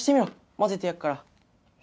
混ぜてやるから。